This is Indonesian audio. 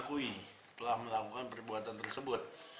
akui telah melakukan perbuatan tersebut